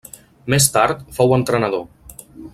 Més tard fou entrenador.